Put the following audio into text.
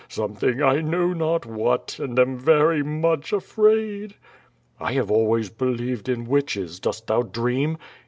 Something 1 know not what, and am very much afraid." "I have always believed in witclies. Dost thou dream?"